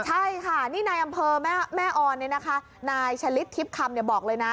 ใช่ค่ะนี่ในอำเภอแม่ออนเนี่ยนะคะนายชะลิดทิศคำบอกเลยนะ